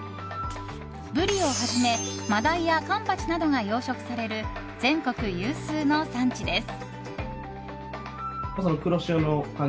ブリをはじめマダイやカンパチなどが養殖される、全国有数の産地です。